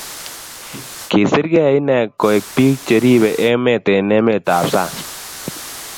Kisirgei inne koek biik cheribe emet eng emetab sang